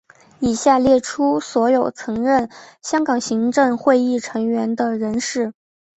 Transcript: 以下列出所有曾任香港行政会议成员的人士。